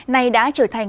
nay đã trở thành